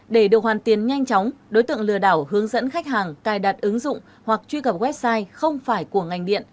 để được hoàn tiền nhanh chóng đối tượng lừa đảo hướng dẫn khách hàng cài đặt ứng dụng hoặc truy cập website không phải của ngành điện